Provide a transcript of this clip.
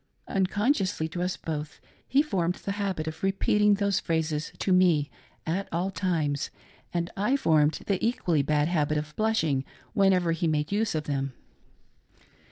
Unconsciously to us both, he formed the habit of repeating those phrases to me at all times, and I formed the equally bad habit of blushing whenever he made use of them.